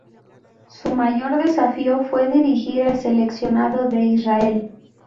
Su mayor desafío fue dirigir al seleccionado de Israel.